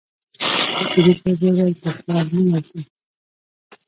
اصولي صیب وويل پر ښار نه ورځو.